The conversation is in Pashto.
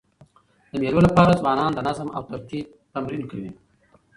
د مېلو له پاره ځوانان د نظم او ترتیب تمرین کوي.